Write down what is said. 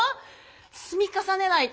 積み重ねないと。